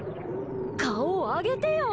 顔を上げてよ！